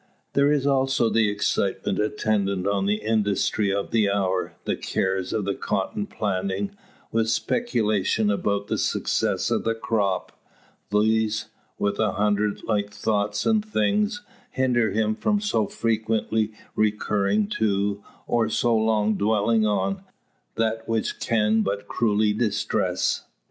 There is also the excitement attendant on the industries of the hour the cares of the cotton planting, with speculations about the success of the crop these, with a hundred like thoughts and things, hinder him from so frequently recurring to, or so long dwelling on, that which can but cruelly distress.